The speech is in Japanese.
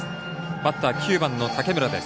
バッター、９番の竹村です。